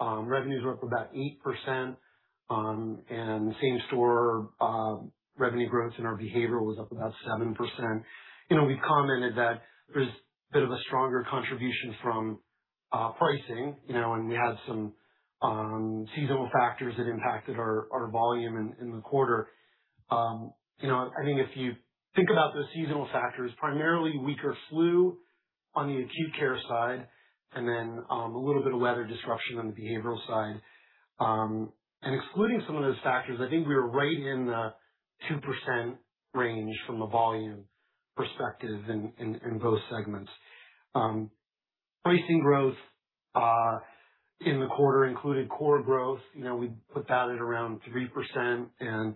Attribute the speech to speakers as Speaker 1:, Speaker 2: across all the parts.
Speaker 1: Revenues were up about 8%, and same-store revenue growth in our behavioral was up about 7%. You know, we commented that there's a bit of a stronger contribution from pricing, you know, and we had some seasonal factors that impacted our volume in the quarter. You know, I think if you think about those seasonal factors, primarily weaker flu on the acute care side and then a little bit of weather disruption on the behavioral side. Excluding some of those factors, I think we were right in the 2% range from a volume perspective in those segments. Pricing growth in the quarter included core growth. You know, we put that at around 3% and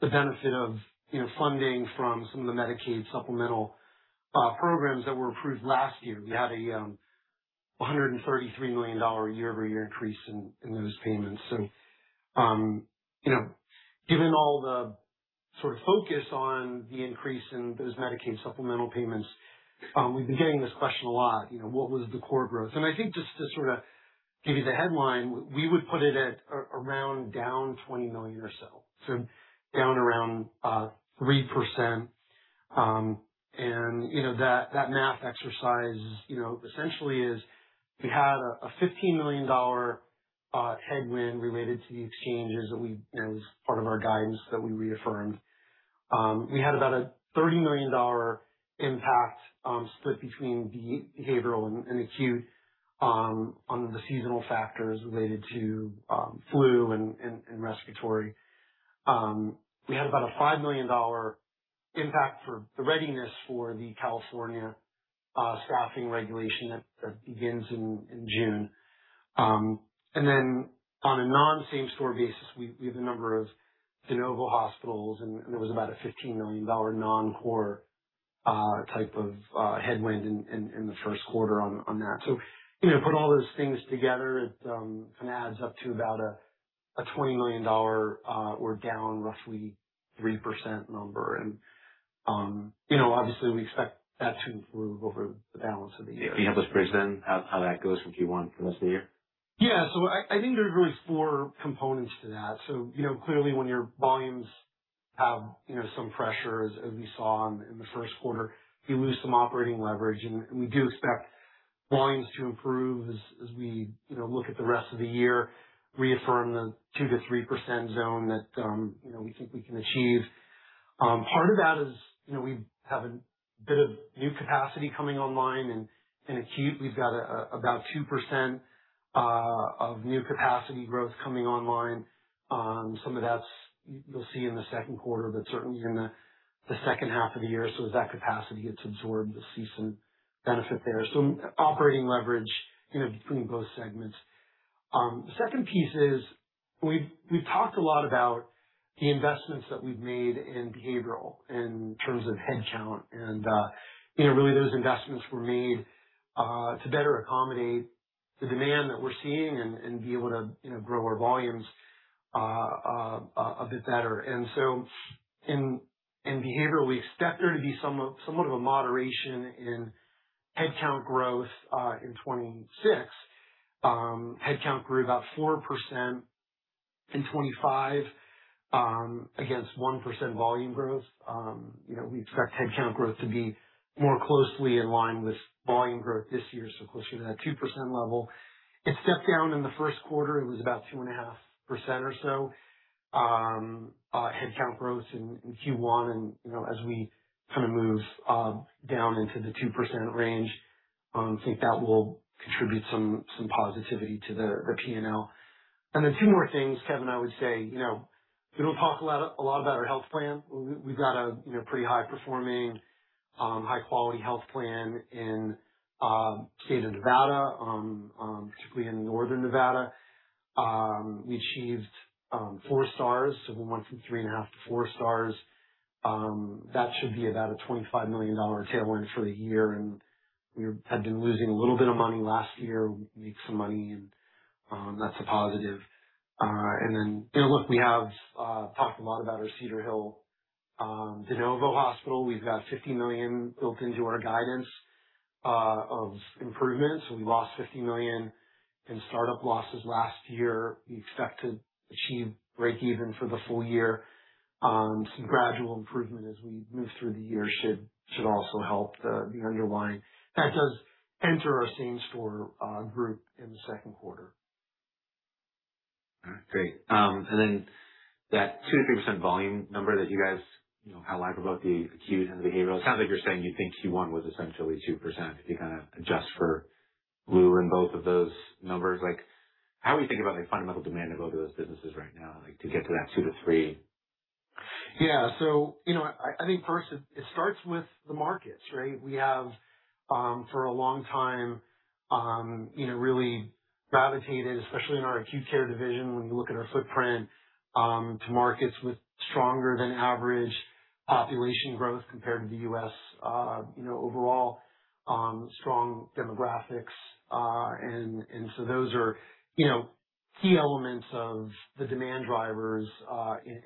Speaker 1: the benefit of, you know, funding from some of the Medicaid supplemental programs that were approved last year. We had a $133 million year-over-year increase in those payments. You know, given all the sort of focus on the increase in those Medicaid supplemental payments, we've been getting this question a lot, you know: What was the core growth? I think just to sort of give you the headline, we would put it at around down $20 million or so. Down around 3%. You know, that math exercise, you know, essentially is we had a $15 million headwind related to the exchanges that we, you know, was part of our guidance that we reaffirmed. We had about a $30 million impact, split between behavioral and acute, on the seasonal factors related to flu and respiratory. We had about a $5 million impact for the readiness for the California staffing regulation that begins in June. On a non-same-store basis, we have a number of de novo hospitals, and it was about a $15 million non-core type of headwind in the first quarter on that. You know, put all those things together, it kind of adds up to about a $20 million or down roughly 3% number. You know, obviously we expect that to improve over the balance of the year.
Speaker 2: Can you help us bridge then how that goes from Q1 for the rest of the year?
Speaker 1: Yeah. I think there's really four components to that. You know, clearly when your volumes have, you know, some pressure, as we saw in the first quarter, you lose some operating leverage. We do expect volumes to improve as we, you know, look at the rest of the year, reaffirm the 2%-3% zone that, you know, we think we can achieve. Part of that is, you know, we have a bit of new capacity coming online in acute. We've got about 2% of new capacity growth coming online. Some of that's you'll see in the second quarter, but certainly in the second half of the year. As that capacity gets absorbed, you'll see some benefit there. Operating leverage, you know, between both segments. The second piece is we've talked a lot about the investments that we've made in behavioral in terms of headcount and, you know, really those investments were made to better accommodate the demand that we're seeing and be able to, you know, grow our volumes a bit better. In, in behavioral, we expect there to be somewhat of a moderation in headcount growth in 2026. Headcount grew about 4% in 2025 against 1% volume growth. You know, we expect headcount growth to be more closely in line with volume growth this year. Closer to that 2% level. It stepped down in the first quarter. It was about 2.5% or so headcount growth in Q1. You know, as we kind of move down into the 2% range, think that will contribute some positivity to the P&L. Two more things, Kevin, I would say, you know, people talk a lot about our health plan. We've got a, you know, pretty high-performing, high-quality health plan in state of Nevada, particularly in northern Nevada. We achieved four stars. We went from three and a half to four stars. That should be about a $25 million tailwind for the year, and we had been losing a little bit of money last year. We make some money, that's a positive. You know, look, we have talked a lot about our Cedar Hill de novo hospital. We've got $50 million built into our guidance of improvements. We lost $50 million in startup losses last year. We expect to achieve breakeven for the full year. Some gradual improvement as we move through the year should also help the underlying. That does enter our same-store group in the second quarter.
Speaker 2: All right. Great. That 2%-3% volume number that you guys, you know, highlight about the acute and the behavioral, it sounds like you're saying you think Q1 was essentially 2% if you kind of adjust for flu in both of those numbers? Like, how are we thinking about the fundamental demand of both of those businesses right now, like to get to that 2%-3%?
Speaker 1: Yeah. You know, I think first it starts with the markets, right? We have, for a long time, you know, really gravitated, especially in our Acute Care division, when you look at our footprint, to markets with stronger than average population growth compared to the U.S., you know, overall, strong demographics. Those are, you know, key elements of the demand drivers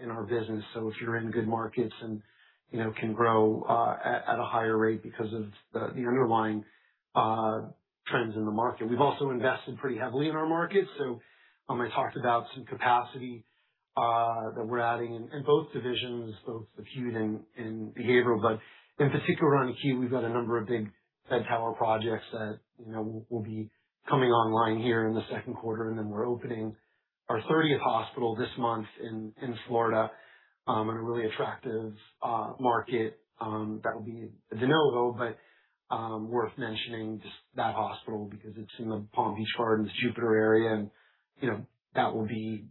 Speaker 1: in our business. If you're in good markets and, you know, can grow at a higher rate because of the underlying trends in the market. We've also invested pretty heavily in our markets. I talked about some capacity that we're adding in both divisions, both acute and behavioral. In particular on acute, we've got a number of big bed tower projects that will be coming online here in the second quarter. We're opening our 30th hospital this month in Florida, in a really attractive market that will be de novo. Worth mentioning just that hospital because it's in the Palm Beach Gardens, Jupiter area and that will be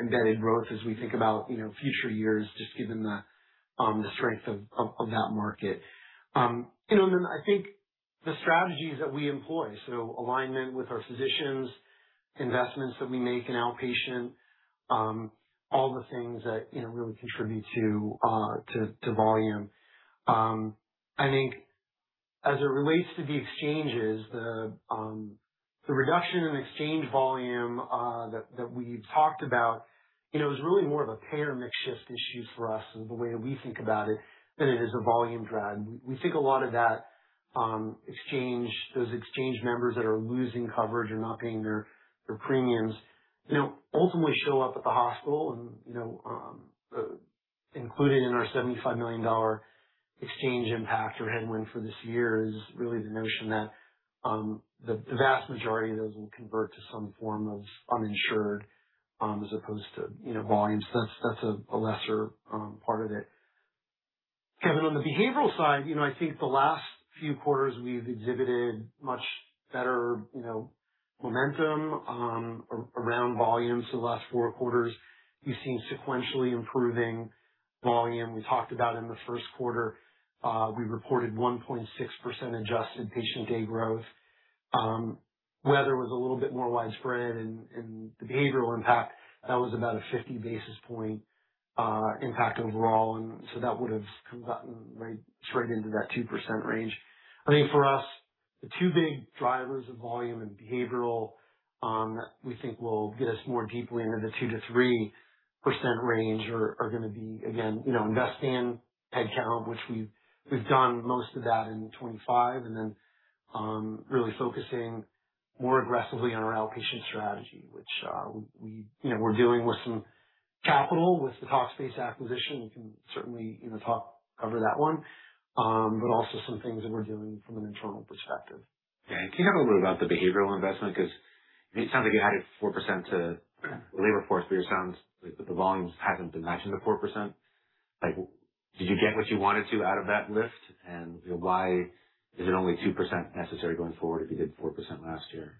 Speaker 1: embedded growth as we think about future years just given the strength of that market. I think the strategies that we employ, so alignment with our physicians, investments that we make in outpatient, all the things that really contribute to volume. I think as it relates to the exchanges, the reduction in exchange volume that we talked about, you know, is really more of a payer mix shift issue for us in the way that we think about it than it is a volume drag. We think a lot of that exchange, those exchange members that are losing coverage and not paying their premiums, you know, ultimately show up at the hospital. You know, included in our $75 million exchange impact we're handling for this year is really the notion that the vast majority of those will convert to some form of uninsured as opposed to, you know, volume. That's a lesser part of it. Kevin, on the behavioral side, you know, I think the last few quarters we've exhibited much better, you know, momentum around volume. The last four quarters, we've seen sequentially improving volume. We talked about in the first quarter, we reported 1.6% adjusted patient day growth. Weather was a little bit more widespread and the behavioral impact, that was about a 50 basis point impact overall. That would've gotten right into that 2% range. I think for us, the two big drivers of volume and behavioral that we think will get us more deeply into the 2%-3% range are gonna be again, you know, investing in headcount, which we've done most of that in 2025. Really focusing more aggressively on our outpatient strategy, which, we, you know, we're dealing with some capital with the Talkspace acquisition. You can certainly, you know, cover that one. Some things that we're doing from an internal perspective.
Speaker 2: Yeah. Can you talk a little bit about the behavioral investment? 'Cause it sounds like you added 4% to labor force, but it sounds like the volumes haven't been matching the 4%. Like, did you get what you wanted to out of that lift? Why is it only 2% necessary going forward if you did 4% last year?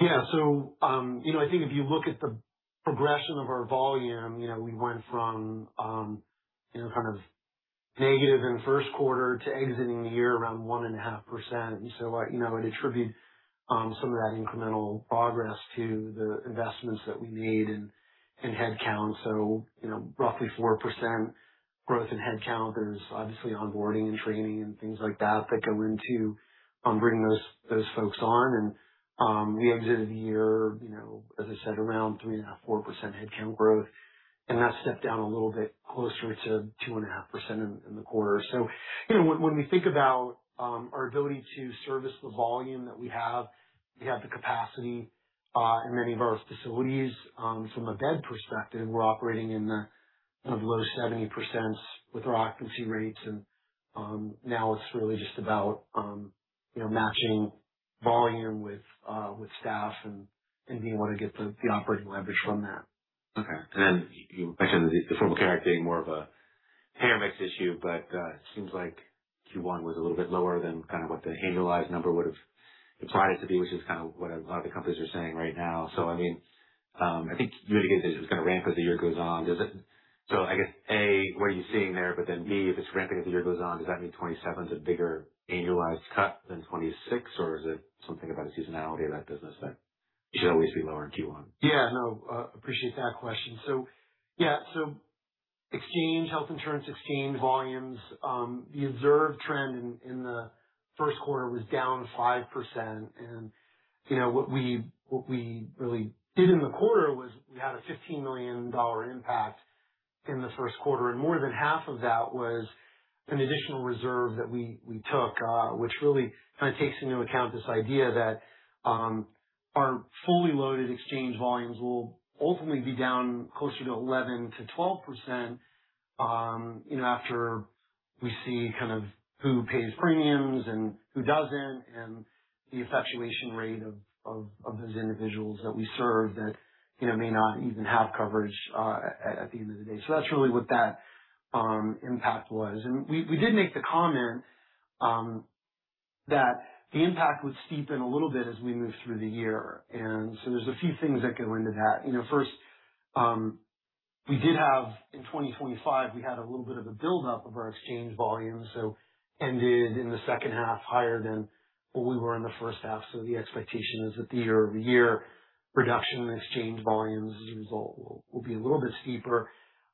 Speaker 1: Yeah. You know, I think if you look at the progression of our volume, you know, we went from, you know, kind of negative in the first quarter to exiting the year around 1.5%. I, you know, I'd attribute, some of that incremental progress to the investments that we made in headcount. You know, roughly 4% growth in headcount. There's obviously onboarding and training and things like that go into bringing those folks on. We exited the year, you know, as I said, around 3.5%-4% headcount growth. That stepped down a little bit closer to 2.5% in the quarter. You know, when we think about our ability to service the volume that we have, we have the capacity in many of our facilities. From a bed perspective, we're operating in the kind of low 70% with our occupancy rates. Now it's really just about, you know, matching volume with staff and being able to get the operating leverage from that.
Speaker 2: Okay. You mentioned the former category being more of a payer mix issue, but it seems like Q1 was a little bit lower than kind of what the annualized number would've tried to be, which is kind of what a lot of the companies are saying right now. I mean, I think you indicated this was gonna ramp as the year goes on. I guess, A, what are you seeing there? B, if it's ramping as the year goes on, does that mean 2027 is a bigger annualized cut than 2026, or is there something about a seasonality of that business that it should always be lower in Q1?
Speaker 1: Yeah, no, appreciate that question. Yeah, health insurance exchange volumes, the observed trend in the first quarter was down 5%. You know, what we really did in the quarter was we had a $15 million impact in the first quarter, and more than half of that was an additional reserve that we took, which really kind of takes into account this idea that our fully loaded exchange volumes will ultimately be down closer to 11%-12%, you know, after we see kind of who pays premiums and who doesn't, and the effectuation rate of those individuals that we serve that, you know, may not even have coverage at the end of the day. That's really what that impact was. We did make the comment that the impact would steepen a little bit as we move through the year. There's a few things that go into that. You know, first, we did have in 2025, we had a little bit of a buildup of our exchange volume, so ended in the second half higher than what we were in the first half. The expectation is that the year-over-year reduction in exchange volumes as a result will be a little bit steeper.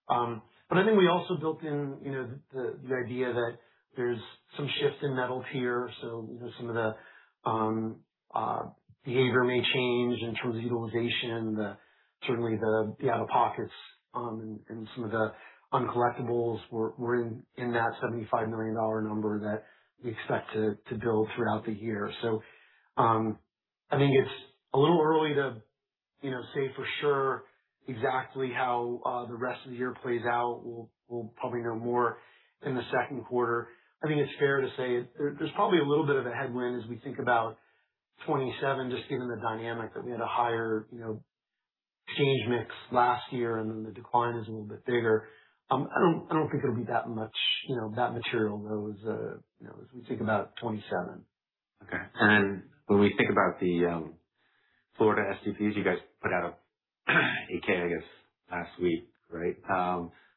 Speaker 1: I think we also built in, you know, the idea that there's some shift in metal tier. You know, some of the behavior may change in terms of utilization. The, certainly the out-of-pockets, and some of the uncollectables were in that $75 million number that we expect to build throughout the year. I think it's a little early to, you know, say for sure exactly how the rest of the year plays out. We'll probably know more in the second quarter. I think it's fair to say there's probably a little bit of a headwind as we think about 2027, just given the dynamic that we had a higher, you know, exchange mix last year, and then the decline is a little bit bigger. I don't think it'll be that much, you know, that material though, as, you know, as we think about 2027.
Speaker 2: Okay. When we think about the Florida SDPs, you guys put out a 8-K, I guess, last week, right?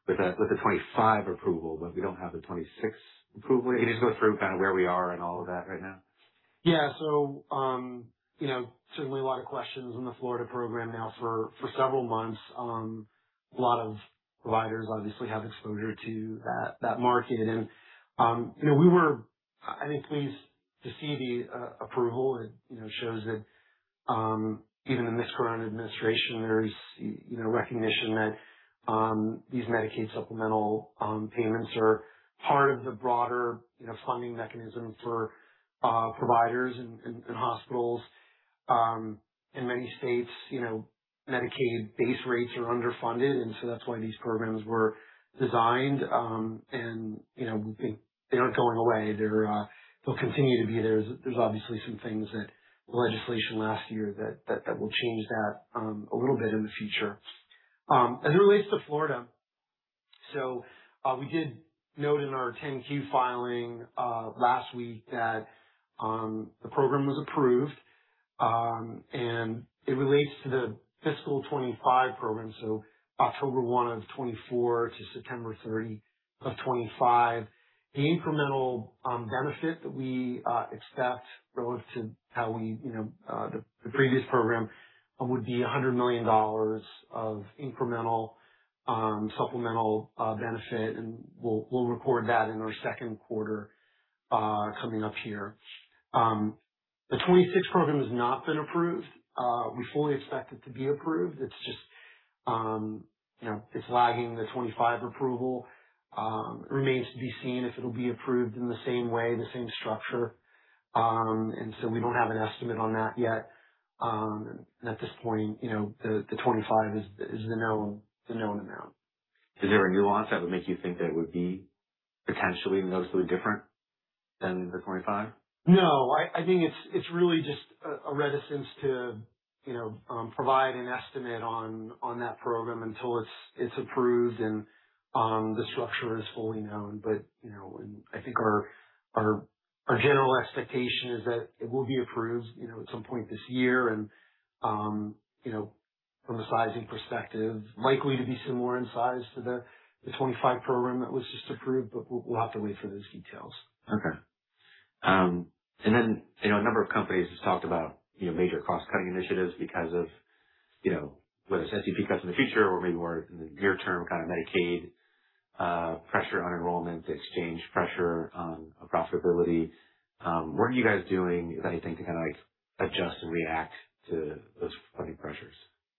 Speaker 2: With a 2025 approval, we don't have a 2026 approval yet. Can you just go through kind of where we are in all of that right now?
Speaker 1: You know, certainly a lot of questions on the Florida program now for several months. A lot of providers obviously have exposure to that market. You know, we were, I think, pleased to see the approval. It, you know, shows that, even in this current administration, there's you know, recognition that these Medicaid supplemental payments are part of the broader, you know, funding mechanism for providers and hospitals. In many states, you know, Medicaid base rates are underfunded, that's why these programs were designed. You know, they aren't going away. They're, they'll continue to be there. There's obviously some things that legislation last year that will change that a little bit in the future. As it relates to Florida, we did note in our 10-Q filing last week that the program was approved. It relates to the fiscal 2025 program, October 1 of 2024 to September 30 of 2025. The incremental benefit that we expect relative to how we the previous program would be $100 million of incremental supplemental benefit, and we'll report that in our second quarter coming up here. The 2026 program has not been approved. We fully expect it to be approved. It's just it's lagging the 2025 approval. It remains to be seen if it'll be approved in the same way, the same structure. We don't have an estimate on that yet. At this point, you know, the 2025 is the known amount.
Speaker 2: Is there a nuance that would make you think that it would be potentially notably different than the 2025?
Speaker 1: No, I think it's really just a reticence to, you know, provide an estimate on that program until it's approved and the structure is fully known. You know, and I think our general expectation is that it will be approved, you know, at some point this year and, you know, from a sizing perspective, likely to be similar in size to the 2025 program that was just approved, but we'll have to wait for those details.
Speaker 2: Okay. Then, you know, a number of companies have talked about, you know, major cost-cutting initiatives because of, you know, whether it's SDP cuts in the future or maybe more near-term kind of Medicaid pressure on enrollment, exchange pressure on profitability. What are you guys doing, if anything, to kind of, like, adjust and react to those funding pressures?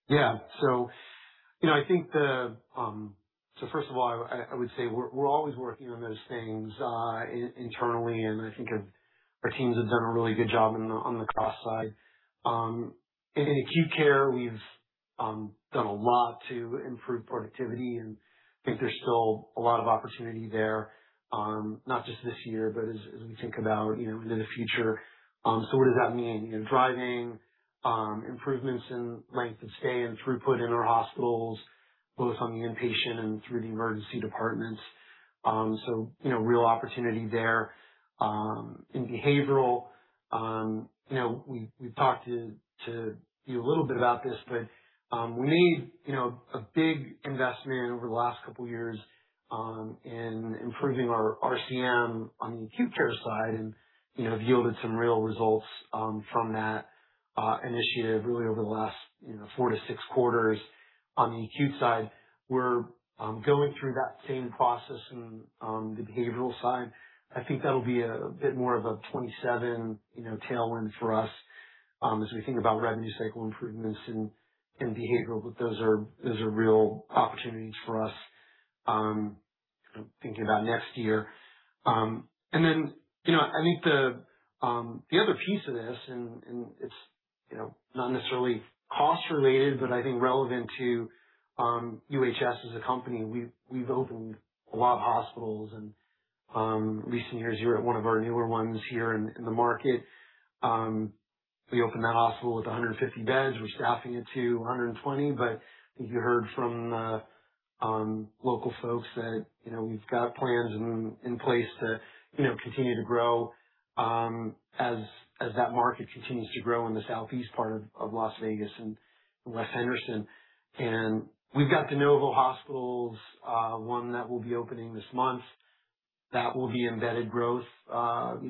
Speaker 1: Yeah. You know, first of all, I would say we're always working on those things internally, and I think our teams have done a really good job on the cost side. In acute care, we've done a lot to improve productivity, and I think there's still a lot of opportunity there, not just this year, but as we think about, you know, into the future. What does that mean? You know, driving improvements in length of stay and throughput in our hospitals, both on the inpatient and through the emergency departments. You know, real opportunity there. In behavioral, you know, we've talked to you a little bit about this, but we made, you know, a big investment over the last couple of years, in improving our RCM on the acute care side and, you know, have yielded some real results, from that initiative really over the last, you know, four to six quarters on the acute side. We're going through that same process in the behavioral side. I think that'll be a bit more of a 2027, you know, tailwind for us, as we think about revenue cycle improvements in behavioral, but those are, those are real opportunities for us, thinking about next year. You know, I think the other piece of this, and it's, you know, not necessarily cost related, but I think relevant to UHS as a company, we've opened a lot of hospitals in recent years. You're at one of our newer ones here in the market. We opened that hospital with 150 beds. We're staffing it to 120. I think you heard from local folks that, you know, we've got plans in place to, you know, continue to grow as that market continues to grow in the southeast part of Las Vegas and West Henderson. We've got de novo hospitals, one that will be opening this month. That will be embedded growth. You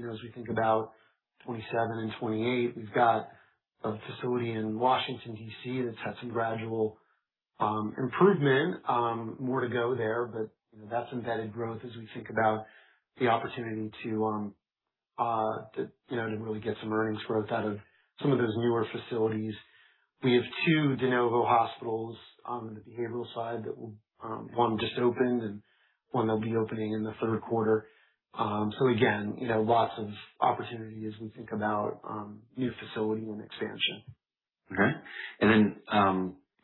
Speaker 1: know, as we think about 2027 and 2028, we've got a facility in Washington, D.C. that's had some gradual improvement. More to go there, but that's embedded growth as we think about the opportunity to, you know, to really get some earnings growth out of some of those newer facilities. We have two de novo hospitals in the behavioral side that will, one just opened and one that'll be opening in the third quarter. Again, you know, lots of opportunity as we think about new facility and expansion.
Speaker 2: Okay. Can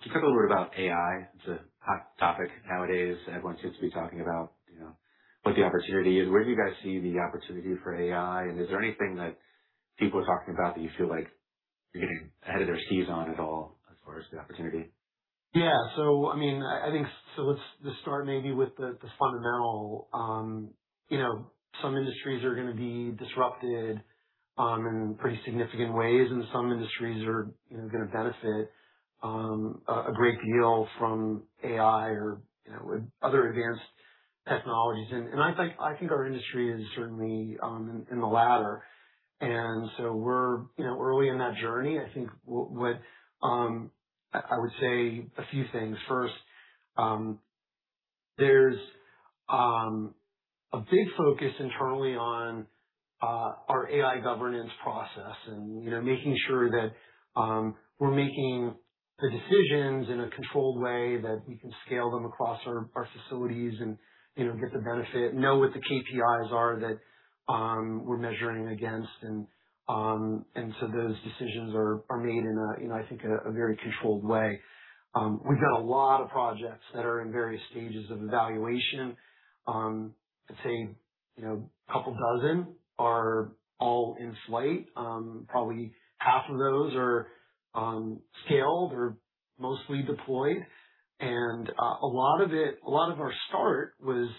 Speaker 2: you talk a little bit about AI? It's a hot topic nowadays. Everyone seems to be talking about, you know, what the opportunity is. Where do you guys see the opportunity for AI? Is there anything that people are talking about that you feel like you're getting ahead of their skis on at all as far as the opportunity?
Speaker 1: Yeah. I mean, I think so let's start maybe with the fundamental. You know, some industries are gonna be disrupted, in pretty significant ways, and some industries are, you know, gonna benefit, a great deal from AI or, you know, other advanced technologies. I think, I think our industry is certainly, in the latter. We're, you know, early in that journey. I think what, I would say a few things. First, there's, a big focus internally on, our AI governance process and, you know, making sure that, we're making the decisions in a controlled way that we can scale them across our facilities and, you know, get the benefit, know what the KPIs are that, we're measuring against. Those decisions are made in a, I think, a very controlled way. We've got a lot of projects that are in various stages of evaluation. I'd say, you know, a couple dozen are all in flight. Probably half of those are scaled or mostly deployed. A lot of our start was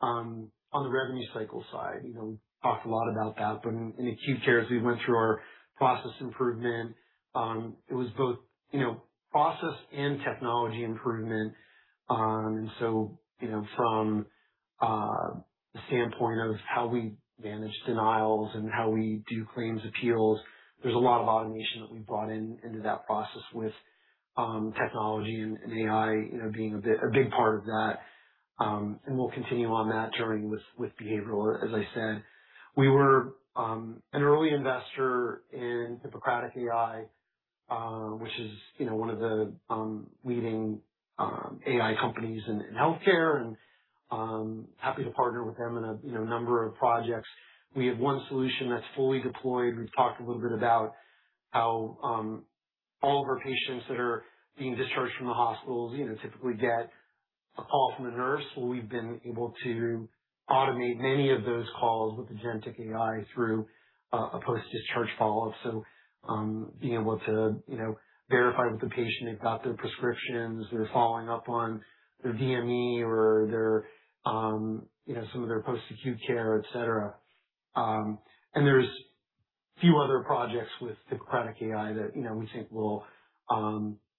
Speaker 1: on the revenue cycle side. You know, we talked a lot about that, but in acute care, as we went through our process improvement, it was both, you know, process and technology improvement. You know, from the standpoint of how we manage denials and how we do claims appeals, there's a lot of automation that we brought into that process with technology and AI, you know, being a big part of that. We'll continue on that journey with behavioral. As I said, we were an early investor in Hippocratic AI, which is, you know, one of the leading AI companies in healthcare, and happy to partner with them in a, you know, number of projects. We have one solution that's fully deployed. We've talked a little bit about how all of our patients that are being discharged from the hospitals, you know, typically get a call from a nurse. We've been able to automate many of those calls with the generative AI through a post-discharge follow-up. Being able to, you know, verify with the patient they've got their prescriptions, they're following up on their DME or their, you know, some of their post-acute care, et cetera. There's a few other projects with Hippocratic AI that, you know, we think will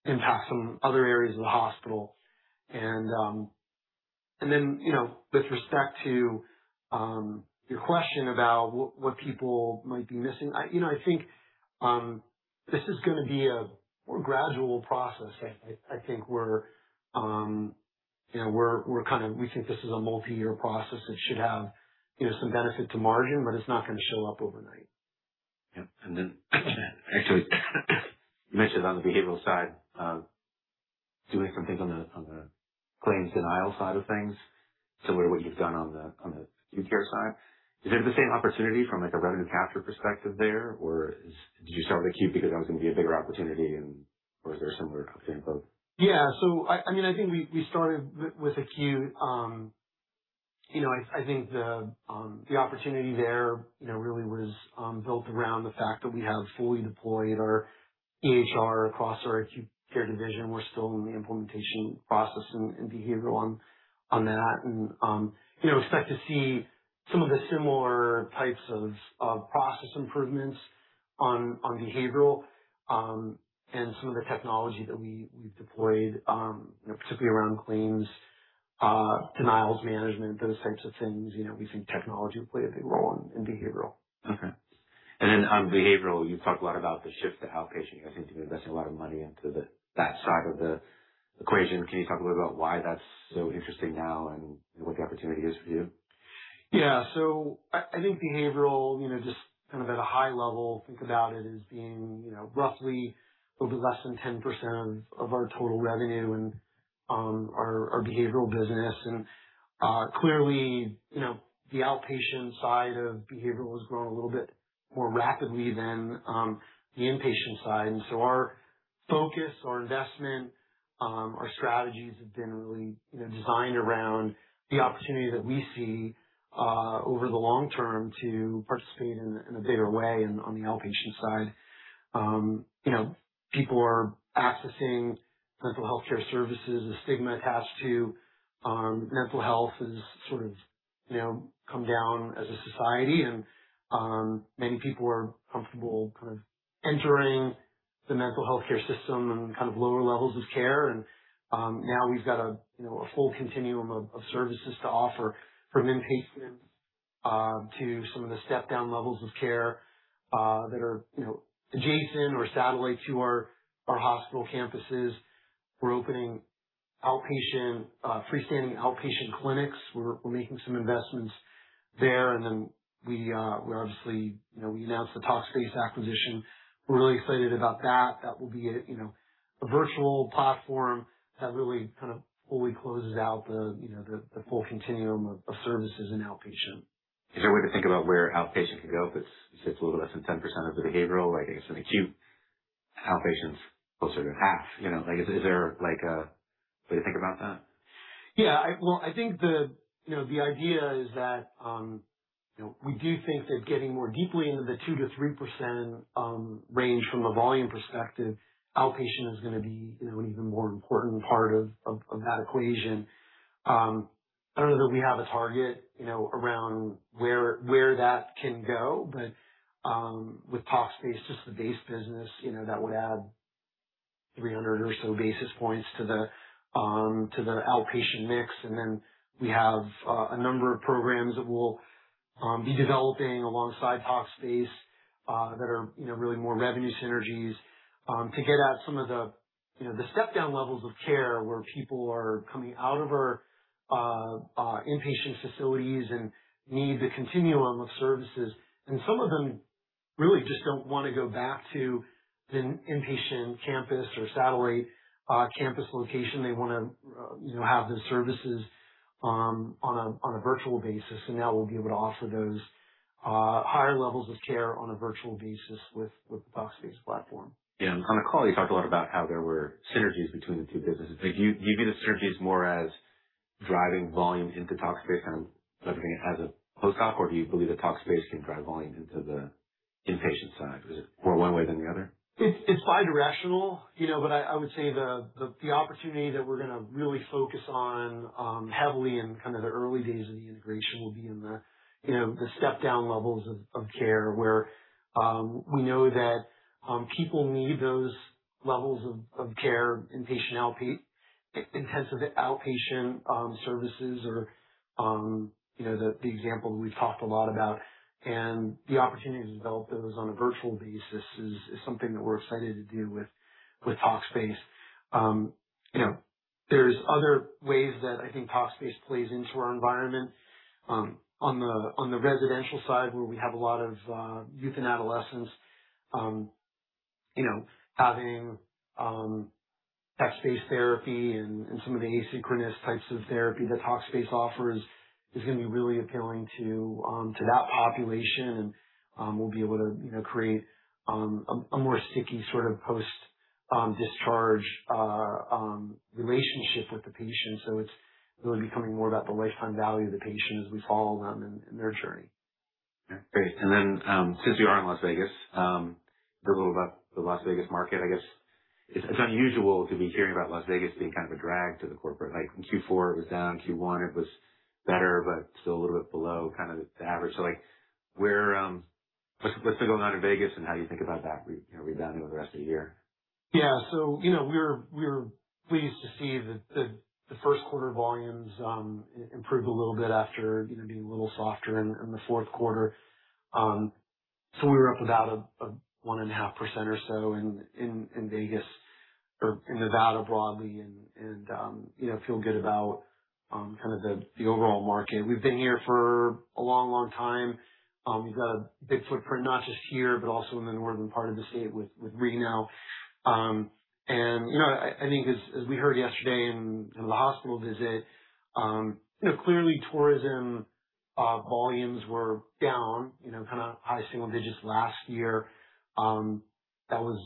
Speaker 1: impact some other areas of the hospital. Then, you know, with respect to your question about what people might be missing, I, you know, I think this is going to be a more gradual process. I think we're, you know, we think this is a multi-year process that should have, you know, some benefit to margin, but it's not going to show up overnight.
Speaker 2: Yep. Actually you mentioned on the behavioral side of doing some things on the claims denial side of things, similar to what you've done on the acute care side. Is it the same opportunity from, like, a revenue capture perspective there? Did you start with acute because that was going to be a bigger opportunity, and was there a similar opportunity in both?
Speaker 1: Yeah. I mean, I think we started with acute. You know, I think the opportunity there, you know, really was built around the fact that we have fully deployed our EHR across our acute care division. We're still in the implementation process in behavioral on that. You know, expect to see some of the similar types of process improvements on behavioral, and some of the technology that we've deployed, you know, particularly around claims, denials management, those types of things. You know, we think technology will play a big role in behavioral.
Speaker 2: Okay. On behavioral, you've talked a lot about the shift to outpatient. You guys seem to be investing a lot of money into that side of the equation. Can you talk a little bit about why that's so interesting now and what the opportunity is for you?
Speaker 1: Yeah. I think behavioral, you know, just kind of at a high level, think about it as being, you know, roughly a little bit less than 10% of our total revenue and our behavioral business. Clearly, you know, the outpatient side of behavioral has grown a little bit more rapidly than the inpatient side. Our focus, our investment, our strategies have been really, you know, designed around the opportunity that we see over the long term to participate in a bigger way on the outpatient side. You know, people are accessing mental healthcare services. The stigma attached to mental health has sort of, you know, come down as a society. Many people are comfortable kind of entering the mental healthcare system and kind of lower levels of care. Now we've got a, you know, a full continuum of services to offer from inpatient to some of the step-down levels of care that are, you know, adjacent or satellite to our hospital campuses. We're opening outpatient, freestanding outpatient clinics. We're making some investments there. We obviously, you know, we announced the Talkspace acquisition. We're really excited about that. That will be a, you know, a virtual platform that really kind of fully closes out the, you know, the full continuum of services in outpatient.
Speaker 2: Is there a way to think about where outpatient can go if it's a little less than 10% of the behavioral? Like, I guess, in acute, outpatient's closer to half. You know, like, is there like a way to think about that?
Speaker 1: Yeah. Well, I think the, you know, the idea is that, you know, we do think that getting more deeply into the 2%-3% range from a volume perspective, outpatient is going to be, you know, an even more important part of that equation. I don't know that we have a target, you know, around where that can go. With Talkspace, just the base business, you know, that would add 300 or so basis points to the outpatient mix. We have a number of programs that we will be developing alongside Talkspace that are, you know, really more revenue synergies to get at some of the, you know, the step-down levels of care where people are coming out of our inpatient facilities and need the continuum of services. Some of them really just don't wanna go back to the inpatient campus or satellite, campus location. They wanna, you know, have those services on a virtual basis. Now we'll be able to offer those higher levels of care on a virtual basis with the Talkspace platform.
Speaker 2: Yeah. On the call, you talked a lot about how there were synergies between the two businesses. Like, do you view the synergies more as driving volume into Talkspace and everything it has post-op? Or do you believe that Talkspace can drive volume into the inpatient side? Is it more one way than the other?
Speaker 1: It's bi-directional, you know. I would say the opportunity that we're gonna really focus on heavily in kind of the early days of the integration will be in the, you know, the step-down levels of care, where we know that people need those levels of care, inpatient, intensive outpatient services or, you know, the example we've talked a lot about. The opportunity to develop those on a virtual basis is something that we're excited to do with Talkspace. You know, there's other ways that I think Talkspace plays into our environment. On the, on the residential side, where we have a lot of youth and adolescents, you know, having text-based therapy and some of the asynchronous types of therapy that Talkspace offers is gonna be really appealing to that population. We'll be able to, you know, create a more sticky sort of post discharge relationship with the patient. It's really becoming more about the lifetime value of the patient as we follow them in their journey.
Speaker 2: Okay. Great. Since we are in Las Vegas, a little about the Las Vegas market, I guess. It's unusual to be hearing about Las Vegas being kind of a drag to the corporate. Like in Q4, it was down. Q1, it was better, but still a little bit below kind of the average. Like, where What's been going on in Vegas and how do you think about that, you know, rebound over the rest of the year?
Speaker 1: You know, we're pleased to see the first quarter volumes improve a little bit after, you know, being a little softer in the fourth quarter. We were up about a 1.5% or so in Vegas or in Nevada broadly and, you know, feel good about kind of the overall market. We've been here for a long, long time. We've got a big footprint, not just here, but also in the northern part of the state with Reno. You know, I think as we heard yesterday in the hospital visit, you know, clearly tourism volumes were down, you know, kind of high single digits last year. That was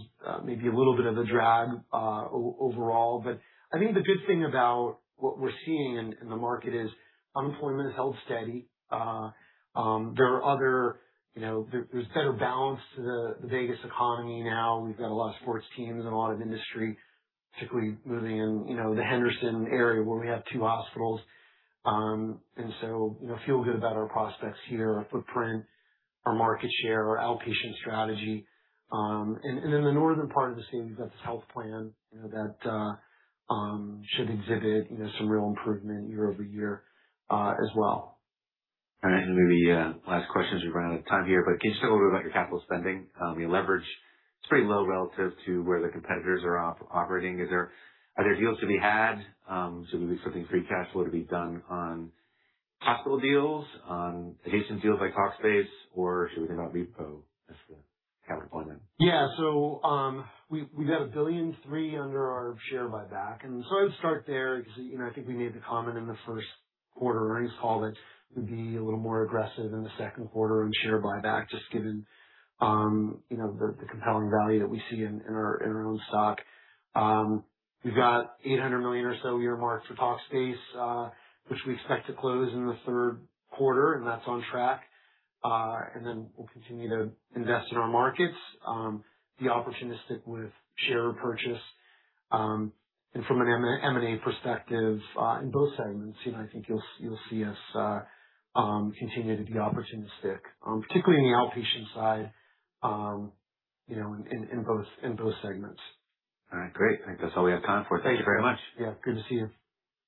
Speaker 1: maybe a little bit of a drag overall. I think the good thing about what we're seeing in the market is unemployment has held steady. There are other, you know, there's better balance to the Vegas economy now. We've got a lot of sports teams and a lot of industry, particularly moving in, you know, the Henderson area where we have two hospitals. You know, feel good about our prospects here, our footprint, our market share, our outpatient strategy. And in the northern part of the state, we've got this health plan, you know, that should exhibit, you know, some real improvement year-over-year as well.
Speaker 2: All right. Maybe, last question as we're running out of time here. Can you just talk a little bit about your capital spending? Your leverage is pretty low relative to where the competitors are operating. Are there deals to be had? Should we be expecting free cash flow to be done on hospital deals, on inpatient deals like Talkspace? Should we think about repo as the capital plan?
Speaker 1: Yeah. We've got $1.3 billion under our share buyback. I'd start there because, you know, I think we made the comment in the first quarter earnings call that we'd be a little more aggressive in the second quarter on share buyback, just given, you know, the compelling value that we see in our own stock. We've got $800 million or so earmarked for Talkspace, which we expect to close in the third quarter, and that's on track. We'll continue to invest in our markets, be opportunistic with share purchase. From an M&A perspective, in both segments, you know, I think you'll see us continue to be opportunistic, particularly in the outpatient side, you know, in those segments.
Speaker 2: All right. Great. I think that's all we have time for. Thank you very much.
Speaker 1: Yeah. Good to see you.